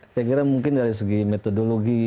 saya kira mungkin dari segi metodologi